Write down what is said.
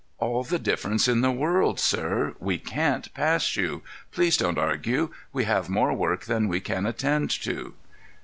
"All the difference in the world, sir. We can't pass you. Please don't argue. We have more work than we can attend to."